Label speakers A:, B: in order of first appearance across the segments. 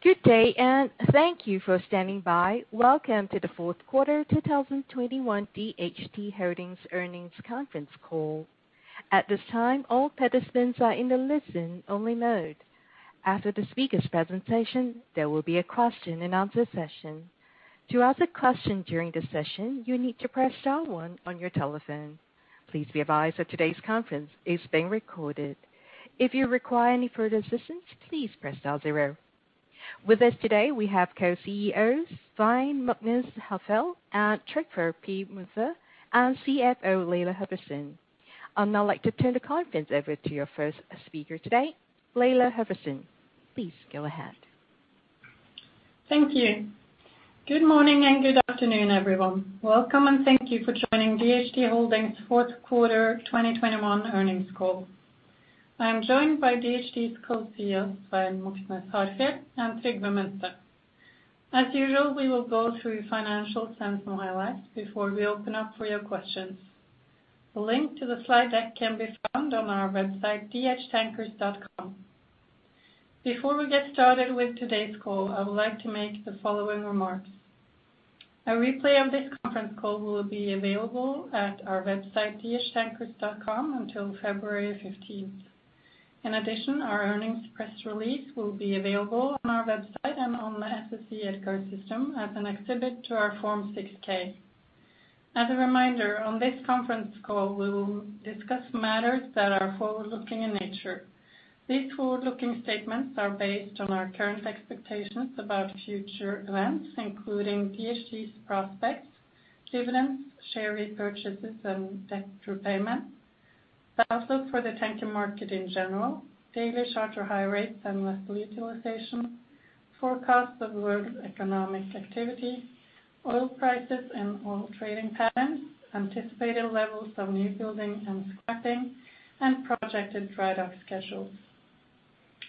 A: Good day, and thank you for standing by. Welcome to the fourth quarter 2021 DHT Holdings earnings conference call. At this time, all participants are in a listen-only mode. After the speakers' presentation, there will be a question and answer session. To ask a question during the session, you need to press star one on your telephone. Please be advised that today's conference is being recorded. If you require any further assistance, please press star zero. With us today, we have Co-CEOs Svein Moxnes Harfjeld and Trygve P. Munthe, and CFO Laila Cecilie Halvorsen. I'd now like to turn the conference over to your first speaker today, Laila Halvorsen. Please go ahead.
B: Thank you. Good morning and good afternoon, everyone. Welcome and thank you for joining DHT Holdings fourth quarter 2021 earnings call. I am joined by DHT's Co-CEOs, Svein Moxnes Harfjeld and Trygve P. Munthe. As usual, we will go through financial and some highlights before we open up for your questions. The link to the slide deck can be found on our website, dhttankers.com. Before we get started with today's call, I would like to make the following remarks. A replay of this conference call will be available at our website, dhttankers.com, until February fifteenth. In addition, our earnings press release will be available on our website and on the SEC EDGAR System as an exhibit to our Form 6-K. As a reminder, on this conference call, we will discuss matters that are forward-looking in nature. These forward-looking statements are based on our current expectations about future events, including DHT's prospects, dividends, share repurchases, and debt repayments, but also for the tanker market in general, daily charter high rates and vessel utilization, forecasts of world economic activity, oil prices and oil trading patterns, anticipated levels of new building and scrapping, and projected dry dock schedules.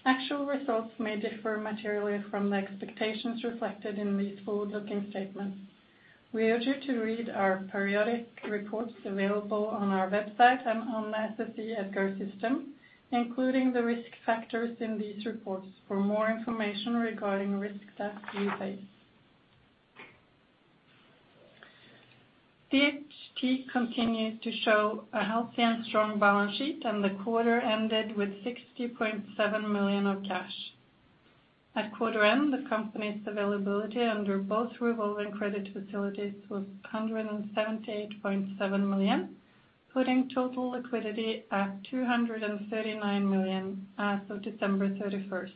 B: Actual results may differ materially from the expectations reflected in these forward-looking statements. We urge you to read our periodic reports available on our website and on the SEC EDGAR system, including the risk factors in these reports for more information regarding risks that we face. DHT continues to show a healthy and strong balance sheet, and the quarter ended with $60.7 million of cash. At quarter end, the company's availability under both revolving credit facilities was $178.7 million, putting total liquidity at $239 million as of December 31.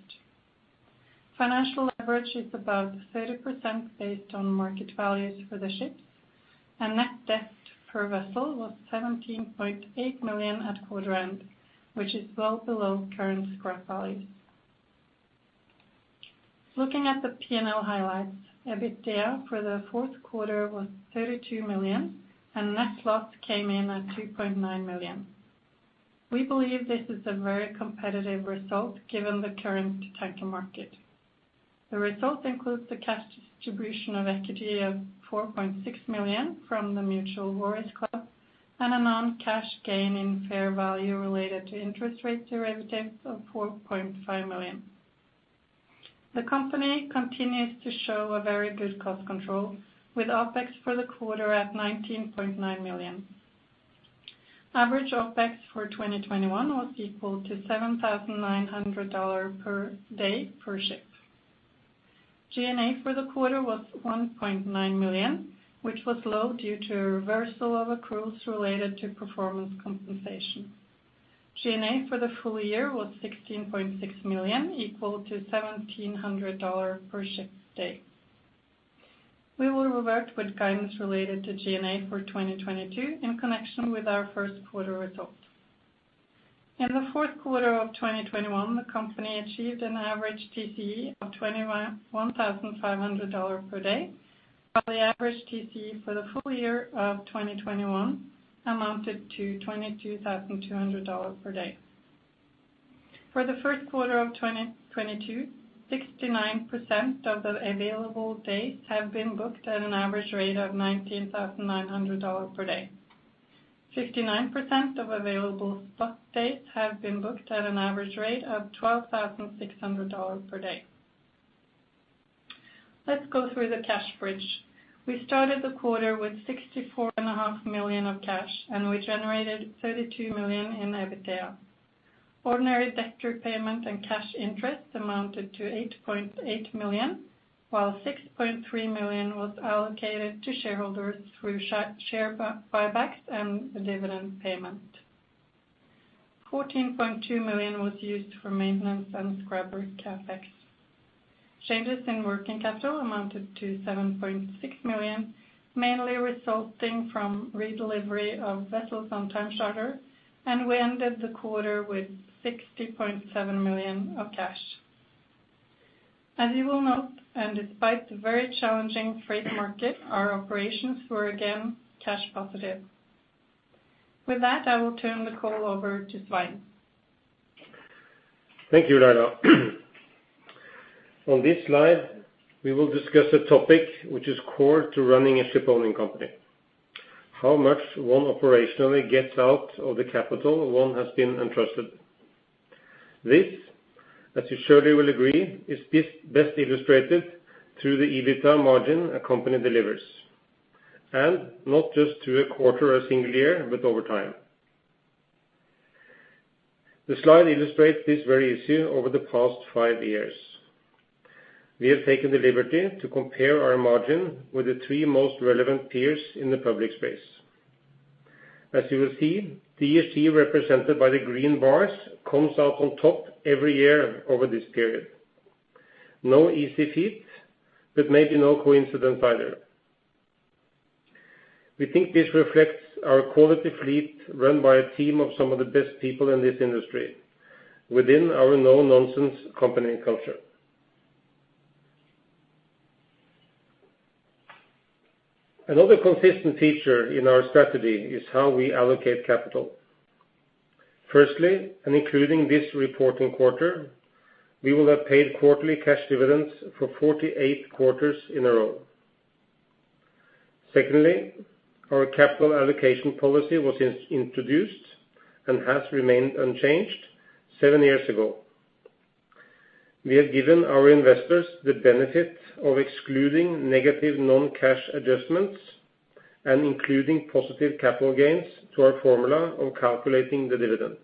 B: Financial leverage is about 30% based on market values for the ships, and net debt per vessel was $17.8 million at quarter end, which is well below current scrap values. Looking at the P&L highlights, EBITDA for the fourth quarter was $32 million, and net loss came in at $2.9 million. We believe this is a very competitive result given the current tanker market. The result includes the cash distribution of equity of $4.6 million from the Mutual War Risk Club and a non-cash gain in fair value related to interest rate derivatives of $4.5 million. The company continues to show a very good cost control with OpEx for the quarter at $19.9 million. Average OpEx for 2021 was equal to $7,900 per day per ship. G&A for the quarter was $1.9 million, which was low due to a reversal of accruals related to performance compensation. G&A for the full year was $16.6 million, equal to $1,700 per ship day. We will revert with guidance related to G&A for 2022 in connection with our first quarter results. In the fourth quarter of 2021, the company achieved an average TCE of $21,500 per day, while the average TCE for the full year of 2021 amounted to $22,200 per day. For the first quarter of 2022, 69% of the available days have been booked at an average rate of $19,900 per day. 59% of available spot days have been booked at an average rate of $12,600 per day. Let's go through the cash bridge. We started the quarter with $64.5 million of cash, and we generated $32 million in EBITDA. Ordinary debt repayment and cash interest amounted to $8.8 million, while $6.3 million was allocated to shareholders through share buybacks and dividend payment. $14.2 million was used for maintenance and scrubber CapEx. Changes in working capital amounted to $7.6 million, mainly resulting from redelivery of vessels on time charter, and we ended the quarter with $60.7 million of cash. As you will note, and despite the very challenging freight market, our operations were again cash positive. With that, I will turn the call over to Svein.
C: Thank you, Laila. On this slide, we will discuss a topic which is core to running a ship owning company. How much one operationally gets out of the capital one has been entrusted. This, as you surely will agree, is best illustrated through the EBITDA margin a company delivers, and not just through a quarter or a single year, but over time. The slide illustrates this very issue over the past five years. We have taken the liberty to compare our margin with the three most relevant peers in the public space. As you will see, DHT represented by the green bars, comes out on top every year over this period. No easy feat, but maybe no coincidence either. We think this reflects our quality fleet run by a team of some of the best people in this industry within our no-nonsense company culture. Another consistent feature in our strategy is how we allocate capital. Firstly, and including this reporting quarter, we will have paid quarterly cash dividends for 48 quarters in a row. Secondly, our capital allocation policy was introduced and has remained unchanged seven years ago. We have given our investors the benefit of excluding negative non-cash adjustments and including positive capital gains to our formula of calculating the dividend.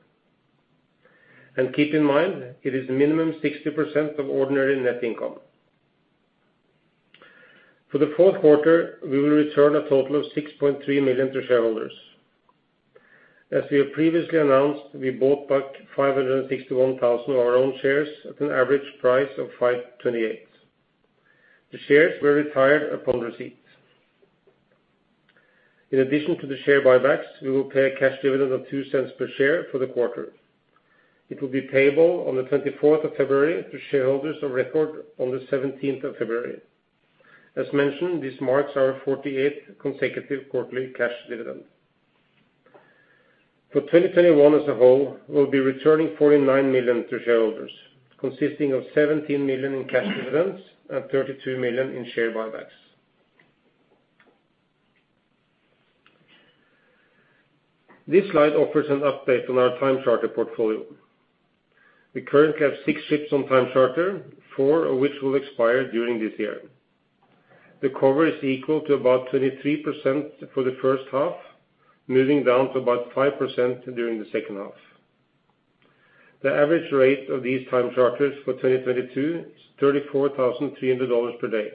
C: Keep in mind, it is minimum 60% of ordinary net income. For the fourth quarter, we will return a total of $63 million to shareholders. As we have previously announced, we bought back 561,000 of our own shares at an average price of $5.28. The shares were retired upon receipt. In addition to the share buybacks, we will pay a cash dividend of $0.02 per share for the quarter. It will be payable on the 24th of February to shareholders of record on the 17th of February. As mentioned, this marks our 48th consecutive quarterly cash dividend. For 2021 as a whole, we'll be returning $49 million to shareholders, consisting of $17 million in cash dividends and $32 million in share buybacks. This slide offers an update on our time charter portfolio. We currently have six ships on time charter, four of which will expire during this year. The cover is equal to about 33% for the first half, moving down to about 5% during the second half. The average rate of these time charters for 2022 is $34,300 per day,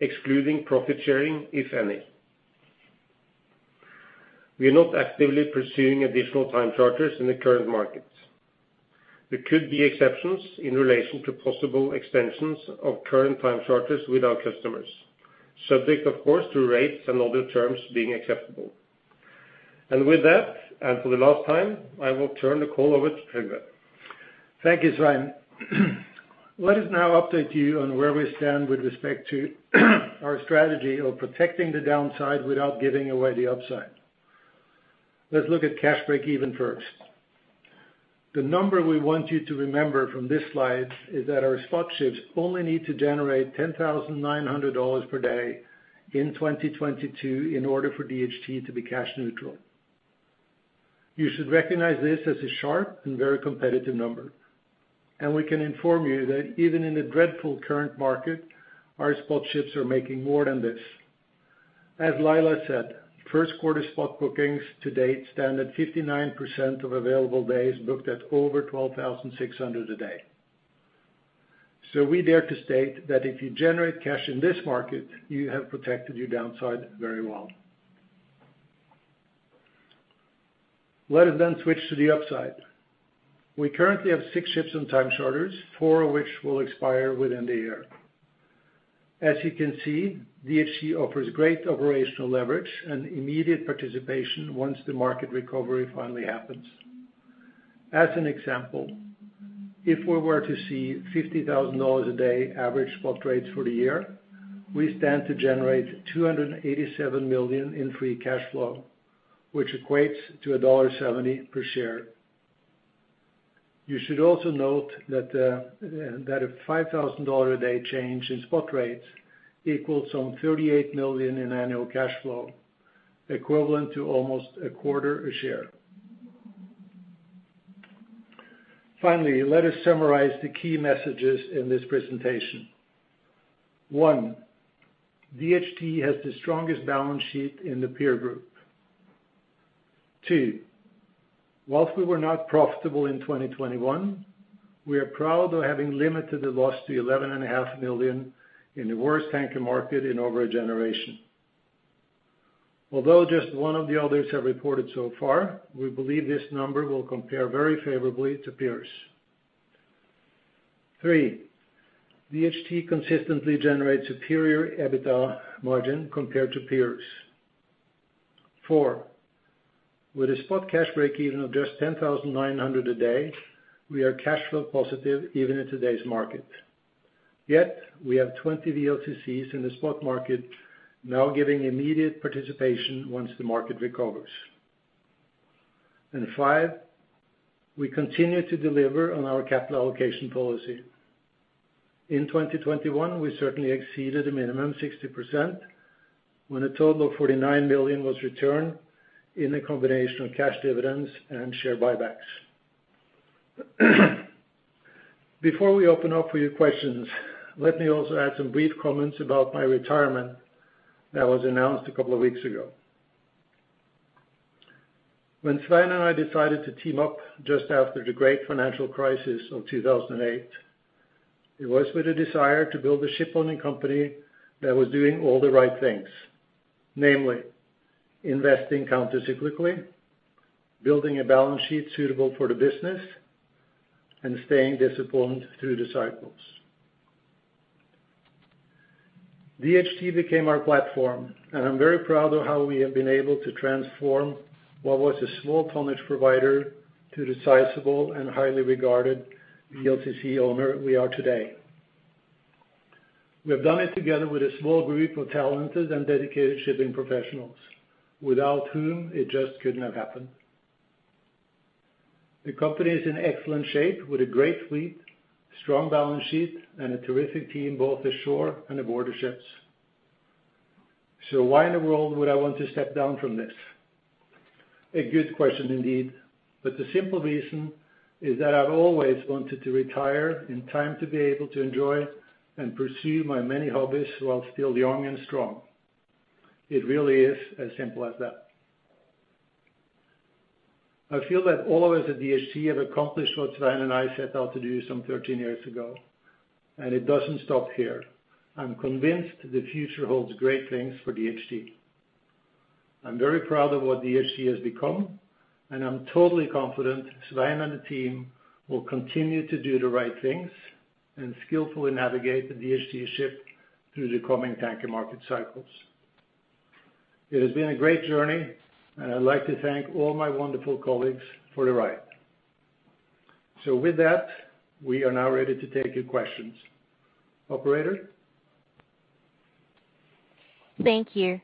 C: excluding profit sharing, if any. We are not actively pursuing additional time charters in the current market. There could be exceptions in relation to possible extensions of current time charters with our customers, subject, of course, to rates and other terms being acceptable. With that, and for the last time, I will turn the call over to Trygve.
D: Thank you, Svein. Let us now update you on where we stand with respect to our strategy of protecting the downside without giving away the upside. Let's look at cash break-even first. The number we want you to remember from this slide is that our spot ships only need to generate $10,900 per day in 2022 in order for DHT to be cash neutral. You should recognize this as a sharp and very competitive number, and we can inform you that even in the dreadful current market, our spot ships are making more than this. As Laila said, first quarter spot bookings to date stand at 59% of available days booked at over $12,600 a day. We dare to state that if you generate cash in this market, you have protected your downside very well. Let us switch to the upside. We currently have six ships on time charters, four of which will expire within the year. As you can see, DHT offers great operational leverage and immediate participation once the market recovery finally happens. As an example, if we were to see $50,000 a day average spot rates for the year, we stand to generate $287 million in free cash flow, which equates to $1.70 per share. You should also note that a $5,000-a-day change in spot rates equals some $38 million in annual cash flow, equivalent to almost a quarter a share. Finally, let us summarize the key messages in this presentation. One, DHT has the strongest balance sheet in the peer group. Two, while we were not profitable in 2021, we are proud of having limited the loss to $11.5 million in the worst tanker market in over a generation. Although just one of the others have reported so far, we believe this number will compare very favorably to peers. Three, DHT consistently generates superior EBITDA margin compared to peers. Four, with a spot cash break-even of just $10,900 a day, we are cash flow positive even in today's market. Yet, we have 20 VLCCs in the spot market now giving immediate participation once the market recovers. Five, we continue to deliver on our capital allocation policy. In 2021, we certainly exceeded the minimum 60% when a total of $49 million was returned in a combination of cash dividends and share buybacks. Before we open up for your questions, let me also add some brief comments about my retirement that was announced a couple of weeks ago. When Svein and I decided to team up just after the great financial crisis of 2008, it was with a desire to build a shipowning company that was doing all the right things, namely investing counter-cyclically, building a balance sheet suitable for the business, and staying disciplined through the cycles. DHT became our platform, and I'm very proud of how we have been able to transform what was a small tonnage provider to the sizable and highly regarded VLCC owner we are today. We have done it together with a small group of talented and dedicated shipping professionals, without whom it just couldn't have happened. The company is in excellent shape with a great fleet, strong balance sheet, and a terrific team, both the shore and aboard the ships. Why in the world would I want to step down from this? A good question indeed, but the simple reason is that I've always wanted to retire in time to be able to enjoy and pursue my many hobbies while still young and strong. It really is as simple as that. I feel that all of us at DHT have accomplished what Svein and I set out to do some 13 years ago, and it doesn't stop here. I'm convinced the future holds great things for DHT. I'm very proud of what DHT has become, and I'm totally confident Svein and the team will continue to do the right things and skillfully navigate the DHT ship through the coming tanker market cycles. It has been a great journey, and I'd like to thank all my wonderful colleagues for the ride. With that, we are now ready to take your questions. Operator?
A: Thank you.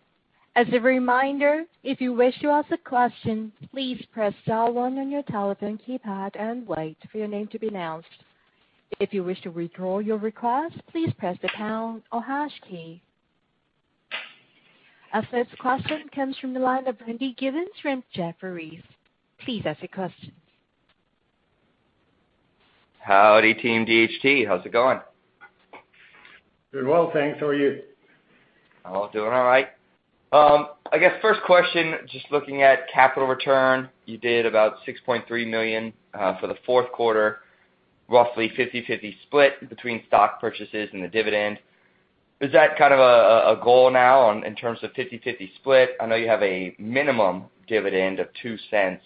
A: As a reminder, if you wish to ask a question, please press star one on your telephone keypad and wait for your name to be announced. If you wish to withdraw your request, please press the pound or hash key. Our first question comes from the line of Randy Giveans from Jefferies. Please ask your question.
E: Howdy, team DHT. How's it going?
D: Doing well, thanks. How are you?
E: I'm doing all right. I guess first question, just looking at capital return, you did about $6.3 million for the fourth quarter, roughly 50/50 split between stock purchases and the dividend. Is that kind of a goal now in terms of 50/50 split? I know you have a minimum dividend of $0.02.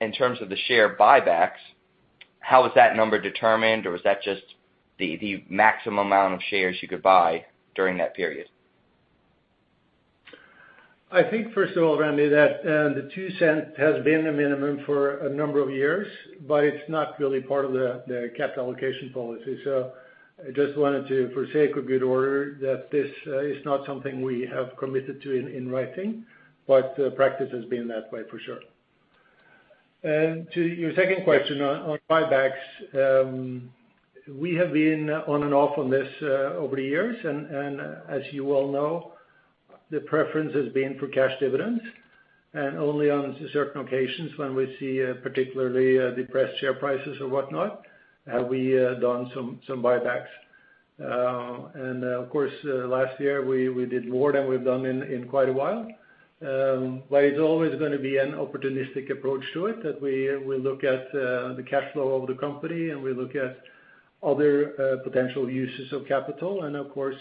E: In terms of the share buybacks, how was that number determined, or was that just the maximum amount of shares you could buy during that period?
D: I think, first of all, Randy, that the $0.02 has been the minimum for a number of years, but it's not really part of the capital allocation policy. I just wanted to, for sake of good order, that this is not something we have committed to in writing, but practice has been that way for sure. To your second question on buybacks, we have been on and off on this over the years, and as you well know, the preference has been for cash dividends. Only on certain occasions when we see particularly depressed share prices or whatnot, have we done some buybacks. Of course, last year we did more than we've done in quite a while. It's always gonna be an opportunistic approach to it, that we look at the cash flow of the company and we look at other potential uses of capital. Of course,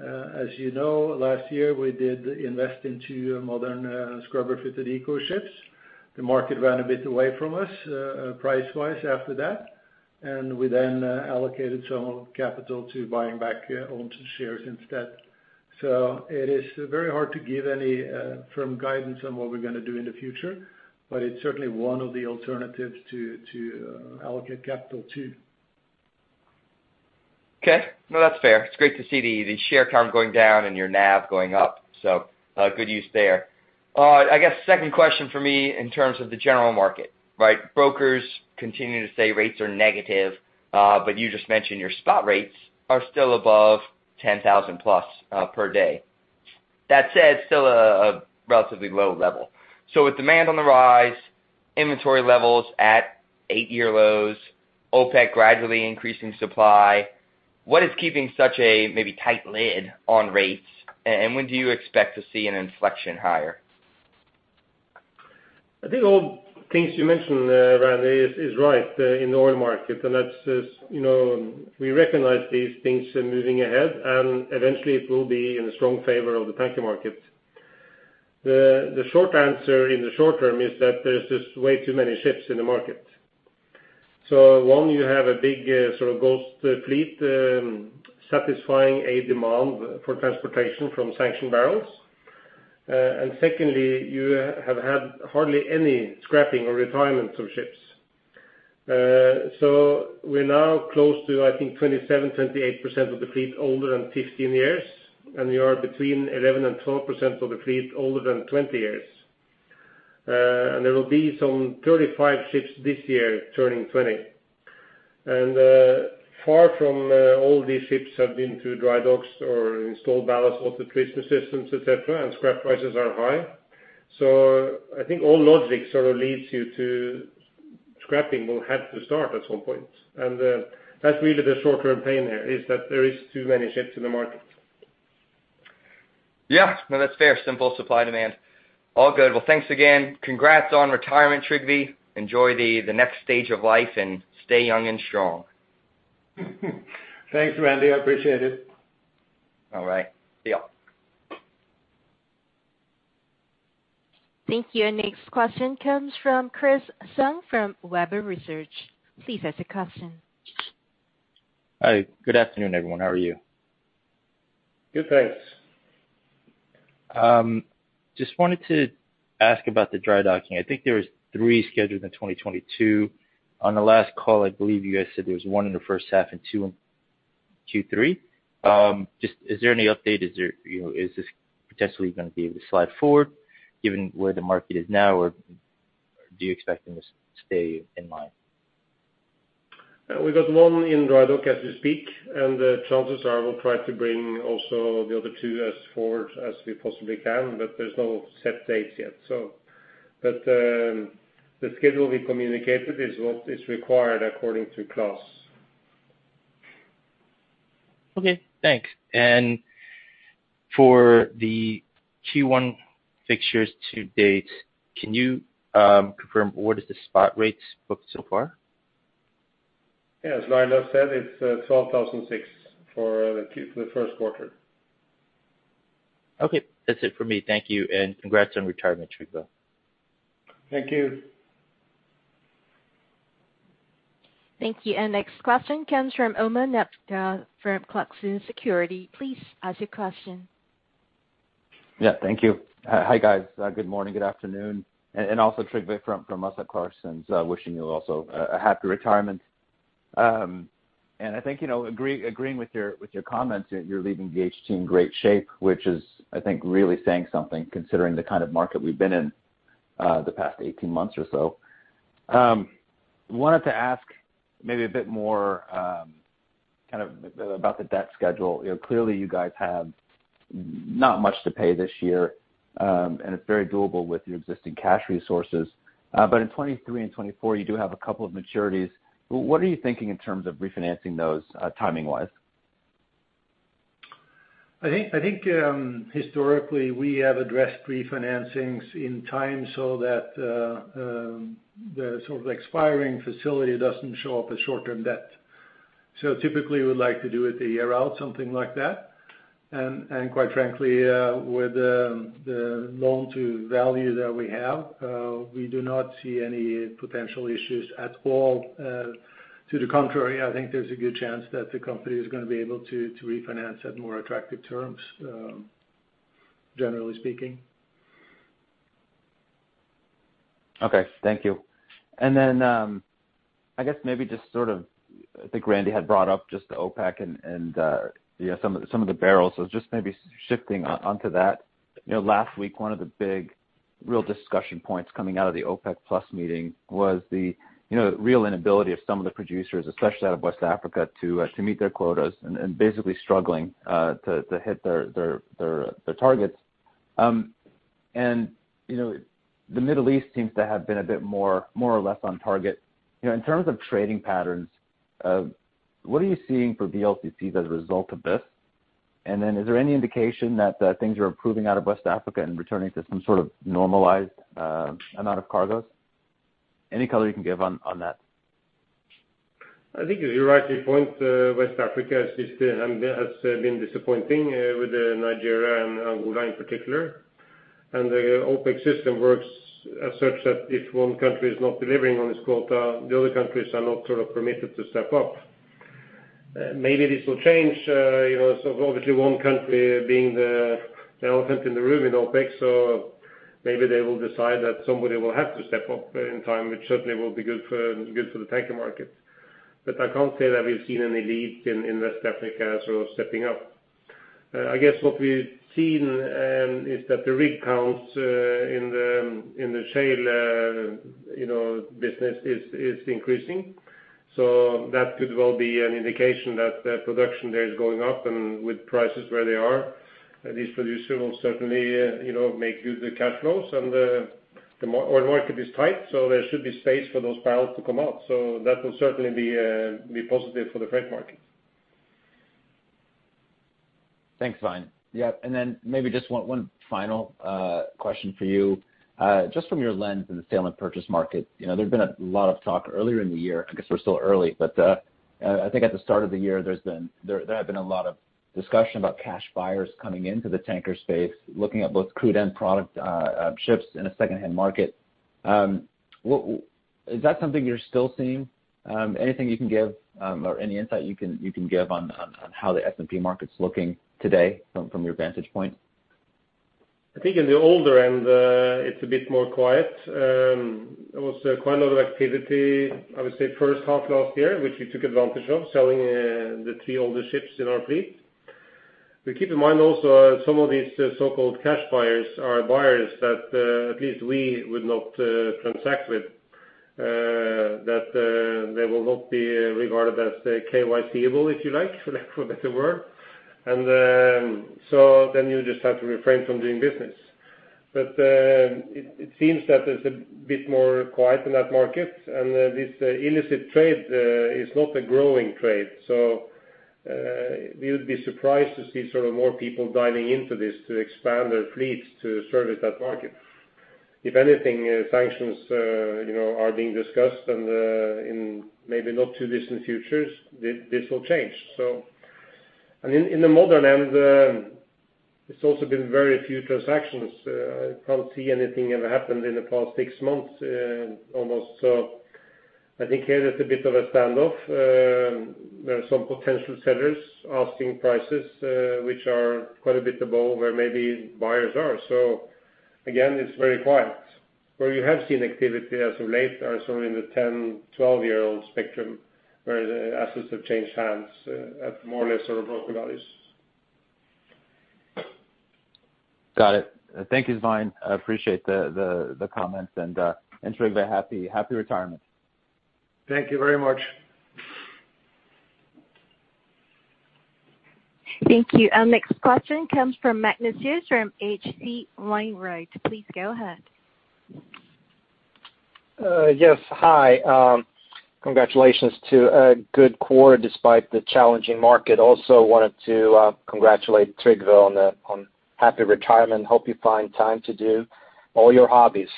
D: as you know, last year we did invest into modern scrubber-fitted eco ships. The market ran a bit away from us, price-wise after that, and we then allocated some capital to buying back owned shares instead. It is very hard to give any firm guidance on what we're gonna do in the future, but it's certainly one of the alternatives to allocate capital to.
E: Okay. No, that's fair. It's great to see the share count going down and your NAV going up. Good use there. I guess second question for me in terms of the general market, right? Brokers continue to say rates are negative, but you just mentioned your spot rates are still above $10,000+ per day. That said, still a relatively low level. With demand on the rise, inventory levels at eight-year lows, OPEC gradually increasing supply, what is keeping such a maybe tight lid on rates, and when do you expect to see an inflection higher?
C: I think all things you mentioned, Randy, is right in the oil market. That's just we recognize these things moving ahead, and eventually it will be in strong favor of the tanker market. The short answer in the short term is that there's just way too many ships in the market. One, you have a big sort of ghost fleet satisfying a demand for transportation from sanctioned barrels. Secondly, you have had hardly any scrapping or retirement of ships. We are now close to, I think, 27%-28% of the fleet older than 15 years, and we are between 11% and 12% of the fleet older than 20 years. There will be some 35 ships this year turning 20. Far from all these ships have been through dry docks or installed ballast water treatment systems, et cetera, and scrap prices are high. I think all logic sort of leads you to scrapping will have to start at some point. That's really the short-term pain here, is that there is too many ships in the market.
E: Yeah. No, that's fair. Simple supply-demand. All good. Well, thanks again. Congrats on retirement, Trygve. Enjoy the next stage of life, and stay young and strong.
D: Thanks, Randy. I appreciate it.
E: All right. See you.
A: Thank you. Next question comes from Chris Tsung from Webber Research. Please ask your question.
F: Hi, good afternoon, everyone. How are you?
D: Good, thanks.
F: Just wanted to ask about the dry docking. I think there was 3 scheduled in 2022. On the last call, I believe you guys said there was one in the first half and 2 in Q3. Just is there any update? Is there, you know, is this potentially gonna be able to slide forward given where the market is now, or do you expect them to stay in line?
D: We've got one in dry dock as we speak, and the chances are we'll try to bring also the other two as forward as we possibly can, but there's no set dates yet, so the schedule we communicated is what is required according to class.
F: Okay, thanks. For the Q1 fixtures to date, can you confirm what is the spot rates booked so far?
D: Yeah. As Laila said, it's $12,006 for the first quarter.
F: Okay, that's it for me. Thank you, and congrats on retirement, Trygve.
D: Thank you.
A: Thank you. Next question comes from Omar Nokta from Clarksons Securities. Please ask your question.
G: Yeah, thank you. Hi, guys. Good morning, good afternoon. Also Trygve from us at Clarksons, wishing you also a happy retirement. I think, you know, agreeing with your comments, you're leaving the DHT in great shape, which is, I think, really saying something considering the kind of market we've been in, the past 18 months or so. Wanted to ask maybe a bit more, kind of about the debt schedule. You know, clearly you guys have not much to pay this year, and it's very doable with your existing cash resources. But in 2023 and 2024, you do have a couple of maturities. What are you thinking in terms of refinancing those, timing-wise?
C: I think historically, we have addressed refinancings in time so that the sort of expiring facility doesn't show up as short-term debt. Typically we like to do it a year out, something like that. Quite frankly, with the loan to value that we have, we do not see any potential issues at all. To the contrary, I think there's a good chance that the company is gonna be able to refinance at more attractive terms, generally speaking.
G: Okay, thank you. I guess maybe just sort of, I think Randy had brought up just the OPEC and yeah, some of the barrels. Just maybe shifting onto that. You know, last week, one of the big real discussion points coming out of the OPEC+ meeting was the, you know, real inability of some of the producers, especially out of West Africa, to meet their quotas and basically struggling to hit their targets. You know, the Middle East seems to have been a bit more or less on target. You know, in terms of trading patterns, what are you seeing for VLCCs as a result of this? Is there any indication that things are improving out of West Africa and returning to some sort of normalized amount of cargos? Any color you can give on that?
C: I think you rightly point, West Africa is still, has been disappointing, with Nigeria and Angola in particular. The OPEC system works as such that if one country is not delivering on its quota, the other countries are not sort of permitted to step up. Maybe this will change, you know, sort of obviously one country being the elephant in the room in OPEC, so maybe they will decide that somebody will have to step up in time, which certainly will be good for the tanker market. I can't say that we've seen any leads in West Africa sort of stepping up. I guess what we've seen is that the rig counts in the shale, you know, business is increasing. That could well be an indication that the production there is going up and with prices where they are, these producers will certainly, you know, make good the cash flows and the oil market is tight, so there should be space for those barrels to come out. That will certainly be positive for the freight market.
G: Thanks, Svein. Yeah, maybe just one final question for you. Just from your lens in the sale and purchase market, you know, there's been a lot of talk earlier in the year. I guess we're still early, but I think at the start of the year, there have been a lot of discussion about cash buyers coming into the tanker space, looking at both crude and product ships in a secondhand market. Is that something you're still seeing? Anything you can give or any insight you can give on how the S&P market's looking today from your vantage point?
C: I think in the older end, it's a bit more quiet. There was quite a lot of activity, I would say, first half last year, which we took advantage of selling, the three older ships in our fleet. Keep in mind also some of these so-called cash buyers are buyers that, at least we would not, transact with, that, they will not be regarded as KYC-able, if you like, for lack of a better word. You just have to refrain from doing business. It seems that it's a bit more quiet in that market, and this illicit trade, is not a growing trade. We would be surprised to see sort of more people diving into this to expand their fleets to service that market. If anything, sanctions, you know, are being discussed and in maybe not too distant futures, this will change. In the modern end, it's also been very few transactions. I can't see anything ever happened in the past six months, almost. I think here there's a bit of a standoff. There are some potential sellers asking prices, which are quite a bit above where maybe buyers are. Again, it's very quiet. Where you have seen activity as of late are sort of in the 10, 12-year-old spectrum, where the assets have changed hands at more or less sort of book values.
G: Got it. Thank you, Svein. I appreciate the comments and ensuring the happy retirement.
C: Thank you very much.
A: Thank you. Our next question comes from Magnus Fyhr from HC Wainwright. Please go ahead.
H: Yes. Hi. Congratulations to a good quarter despite the challenging market. Also wanted to congratulate Trygve on happy retirement. Hope you find time to do all your hobbies.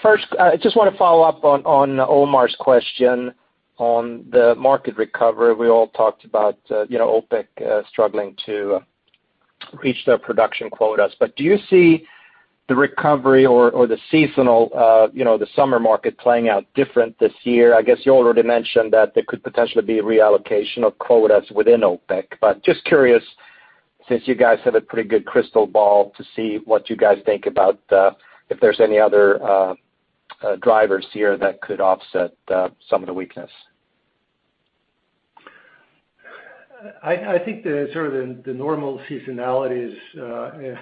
H: First, I just want to follow up on Omar's question on the market recovery. We all talked about, you know, OPEC struggling to reach their production quotas. Do you see the recovery or the seasonal, you know, the summer market playing out different this year? I guess you already mentioned that there could potentially be reallocation of quotas within OPEC. Just curious, since you guys have a pretty good crystal ball to see what you guys think about, if there's any other drivers here that could offset some of the weakness.
D: I think the normal seasonality is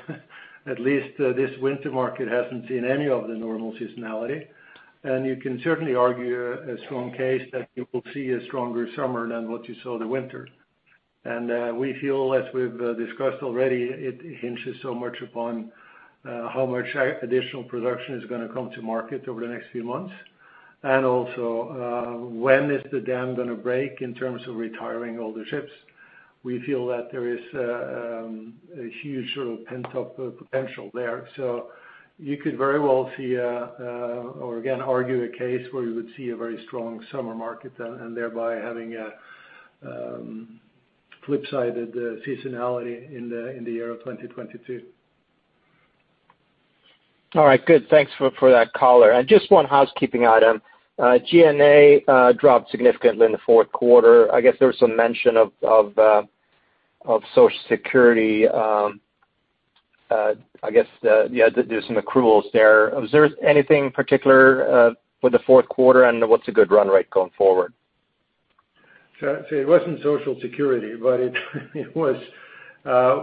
D: at least this winter market hasn't seen any of the normal seasonality. You can certainly argue a strong case that you will see a stronger summer than what you saw in the winter. We feel as we've discussed already, it hinges so much upon how much additional production is gonna come to market over the next few months. Also, when is the dam gonna break in terms of retiring older ships. We feel that there is a huge sort of pent-up potential there. You could very well see or again argue a case where you would see a very strong summer market and thereby having a flip-sided seasonality in the year of 2022.
H: All right, good. Thanks for that color. Just one housekeeping item. G&A dropped significantly in the fourth quarter. I guess there was some mention of Social Security. I guess there's some accruals there. Is there anything particular for the fourth quarter, and what's a good run rate going forward?
D: It wasn't Social Security, but it was,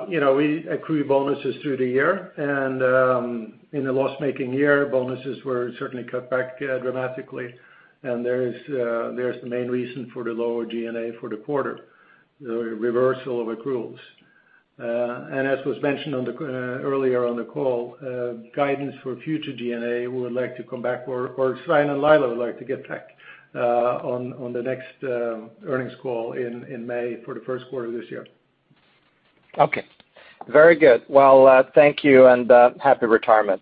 D: you know, we accrue bonuses through the year and, in a loss-making year, bonuses were certainly cut back dramatically. There is the main reason for the lower G&A for the quarter, the reversal of accruals. As was mentioned earlier on the call, guidance for future G&A, we would like to come back or Svein and Laila would like to get back on the next earnings call in May for the first quarter of this year.
H: Okay. Very good. Well, thank you and happy retirement.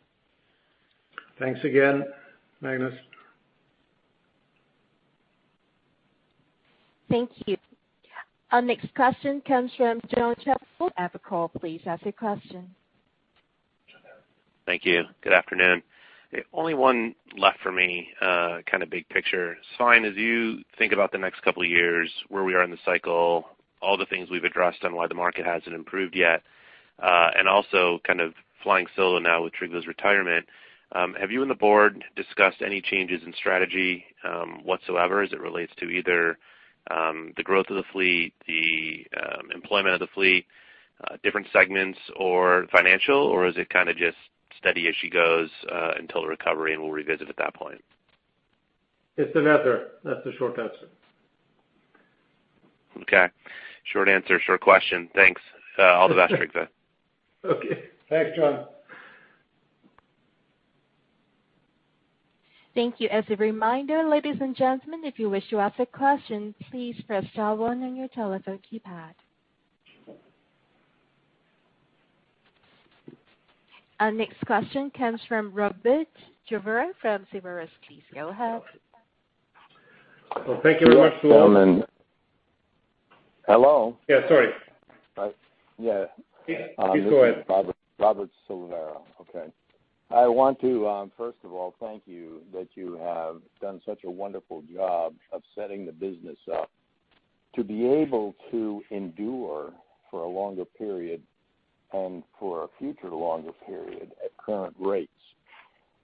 D: Thanks again, Magnus.
A: Thank you. Our next question comes from Jonathan Chappell, Evercore ISI. Please ask your question.
I: Thank you. Good afternoon. Only one left for me, kind of big picture. Svein, as you think about the next couple of years, where we are in the cycle, all the things we've addressed on why the market hasn't improved yet, and also kind of flying solo now with Trygve's retirement, have you and the board discussed any changes in strategy, whatsoever as it relates to either, the growth of the fleet, the, employment of the fleet, different segments or financial? Or is it kinda just steady as she goes, until the recovery, and we'll revisit at that point?
C: It's the latter. That's the short answer.
I: Okay. Short answer, short question. Thanks. I'll just asterisk that.
C: Okay. Thanks, John.
A: Thank you. As a reminder, ladies and gentlemen, if you wish to ask a question, please press star one on your telephone keypad. Our next question comes from Robert Silvera from Clarksons Platou Securities. Please go ahead.
C: Well, thank you very much.
J: Hello?
C: Yeah, sorry.
J: Yeah.
C: Please go ahead.
J: Robert Silvera. Okay. I want to first of all thank you that you have done such a wonderful job of setting the business up to be able to endure for a longer period and for a future longer period at current rates,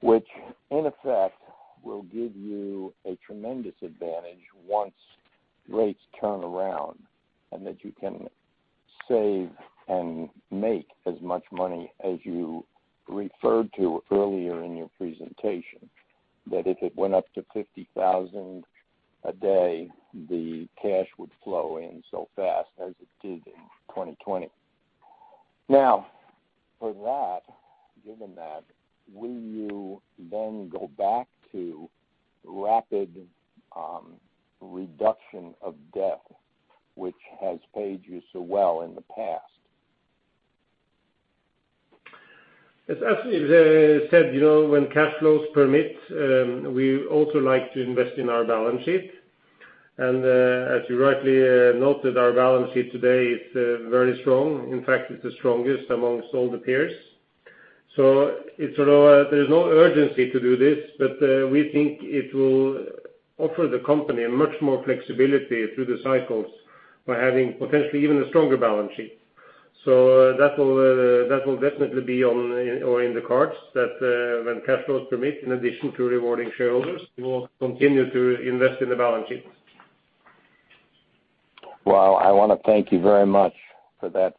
J: which in effect will give you a tremendous advantage once rates turn around and that you can save and make as much money as you referred to earlier in your presentation, that if it went up to $50,000 a day, the cash would flow in so fast as it did in 2020. Now for that, given that, will you then go back to rapid reduction of debt which has paid you so well in the past?
C: As we said, you know, when cash flows permit, we also like to invest in our balance sheet. As you rightly noted, our balance sheet today is very strong. In fact, it's the strongest among all the peers. There's no urgency to do this, but we think it will offer the company much more flexibility through the cycles by having potentially even a stronger balance sheet. That will definitely be on or in the cards that when cash flows permit, in addition to rewarding shareholders, we will continue to invest in the balance sheet.
J: Well, I wanna thank you very much for that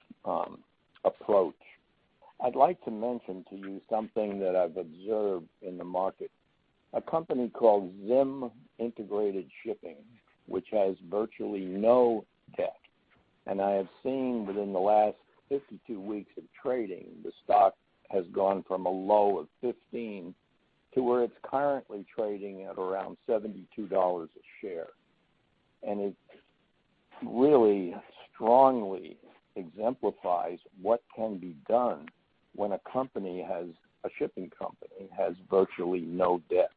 J: approach. I'd like to mention to you something that I've observed in the market, a company called Zim Integrated Shipping, which has virtually no debt. I have seen within the last 52 weeks of trading, the stock has gone from a low of $15 to where it's currently trading at around $72 a share. It really strongly exemplifies what can be done when a shipping company has virtually no debt.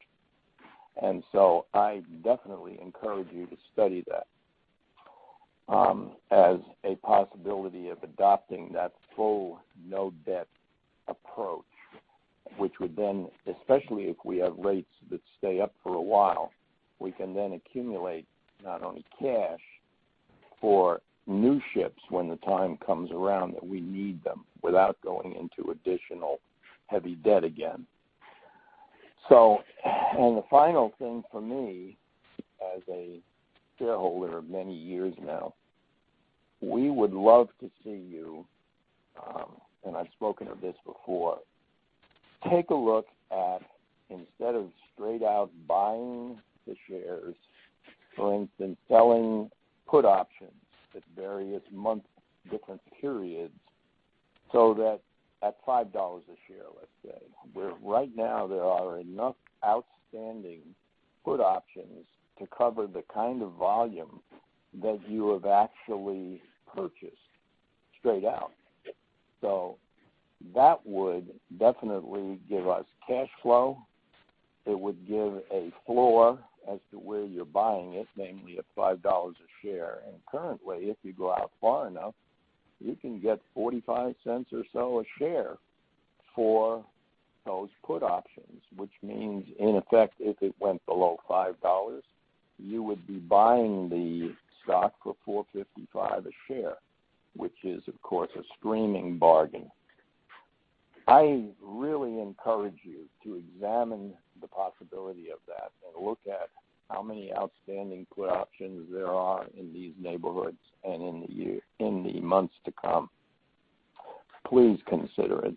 J: I definitely encourage you to study that as a possibility of adopting that full no debt approach, which would then, especially if we have rates that stay up for a while, we can then accumulate not only cash for new ships when the time comes around that we need them without going into additional heavy debt again. The final thing for me as a shareholder of many years now, we would love to see you, and I've spoken of this before, take a look at instead of straight out buying the shares, for instance, selling put options at various month different periods so that at $5 a share, let's say, where right now there are enough outstanding put options to cover the kind of volume that you have actually purchased straight out. That would definitely give us cash flow. It would give a floor as to where you're buying it, namely at $5 a share. Currently, if you go out far enough, you can get $0.45 or so a share for those put options, which means in effect, if it went below $5, you would be buying the stock for $4.55 a share, which is of course a screaming bargain. I really encourage you to examine the possibility of that and look at how many outstanding put options there are in these neighborhoods and in the year, in the months to come. Please consider it.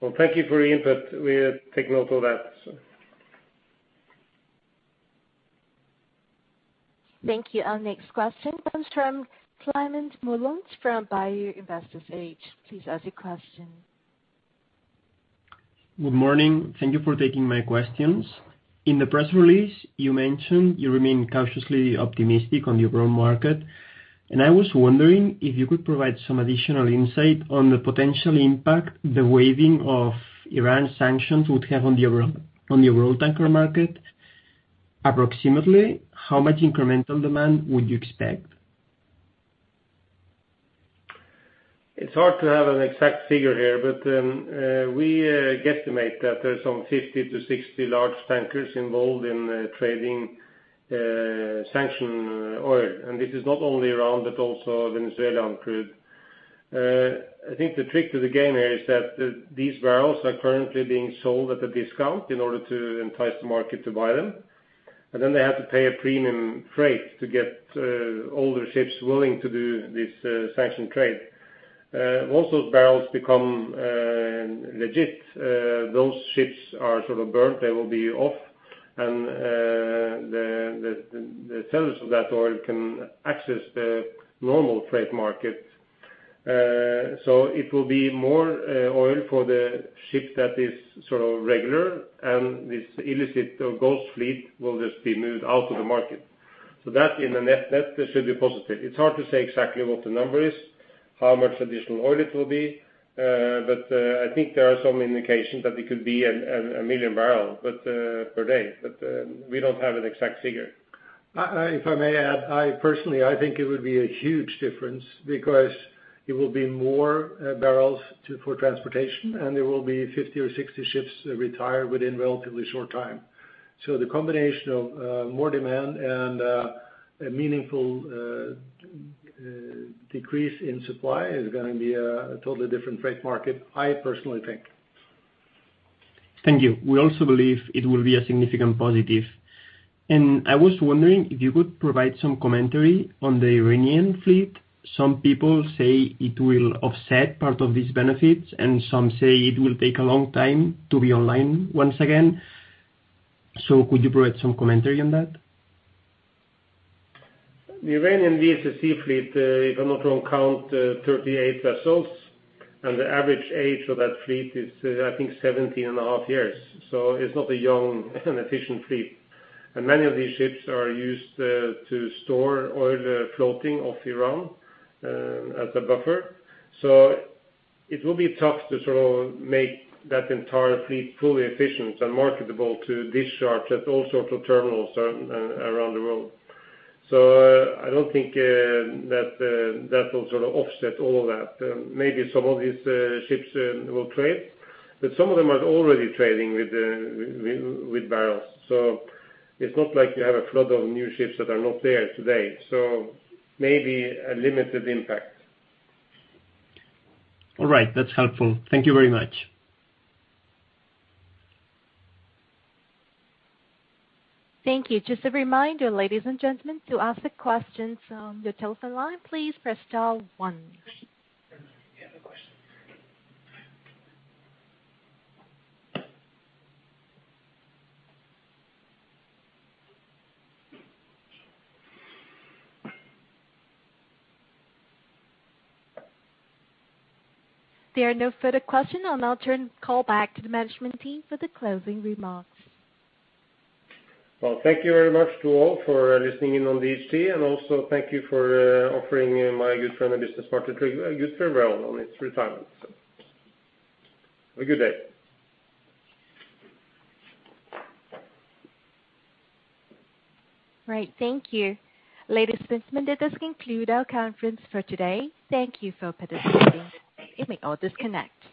C: Well, thank you for the input. We'll take note of that.
A: Thank you. Our next question comes from Clement Mullins from Value Investors Edge. Please ask your question.
K: Good morning. Thank you for taking my questions. In the press release, you mentioned you remain cautiously optimistic on the overall market, and I was wondering if you could provide some additional insight on the potential impact the waiving of Iran sanctions would have on the overall tanker market. Approximately how much incremental demand would you expect?
C: It's hard to have an exact figure here, but we guesstimate that there's some 50-60 large tankers involved in trading sanctioned oil. This is not only Iran but also Venezuelan crude. I think the trick to the game here is that these barrels are currently being sold at a discount in order to entice the market to buy them, and then they have to pay a premium freight to get older ships willing to do this sanctioned trade. Once those barrels become legit, those ships are sort of burnt. They will be off and the sellers of that oil can access the normal freight market. It will be more oil for the ship that is sort of regular, and this illicit or ghost fleet will just be moved out of the market. That in a net-net should be positive. It's hard to say exactly what the number is. How much additional oil it will be, but I think there are some indications that it could be a million barrels per day. We don't have an exact figure.
D: If I may add, I personally think it would be a huge difference because it will be more barrels for transportation, and there will be 50 or 60 ships retire within relatively short time. The combination of more demand and a meaningful decrease in supply is gonna be a totally different freight market, I personally think.
K: Thank you. We also believe it will be a significant positive. I was wondering if you could provide some commentary on the Iranian fleet. Some people say it will offset part of these benefits, and some say it will take a long time to be online once again. Could you provide some commentary on that?
C: The Iranian VLCC fleet, if I'm not wrong, counts 38 vessels, and the average age of that fleet is, I think, 17.5 years. It's not a young and efficient fleet. Many of these ships are used to store oil floating off Iran as a buffer. It will be tough to sort of make that entire fleet fully efficient and marketable to discharge at all sorts of terminals around the world. I don't think that will sort of offset all of that. Maybe some of these ships will trade, but some of them are already trading with the barrels. It's not like you have a flood of new ships that are not there today. Maybe a limited impact.
K: All right. That's helpful. Thank you very much.
A: Thank you. Just a reminder, ladies and gentlemen, to ask the questions on the telephone line, please press star one.
C: You have a question?
A: There are no further questions. I'll now turn the call back to the management team for the closing remarks.
C: Well, thank you very much to all for listening in on DHT and also thank you for offering my good friend and business partner, Trygve, a good farewell on his retirement. Have a good day.
A: Right. Thank you. Ladies and gentlemen, that does conclude our conference for today. Thank you for participating. You may all disconnect.